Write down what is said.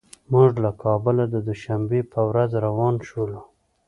موږ له کابله د دوشنبې په ورځ روان شولو.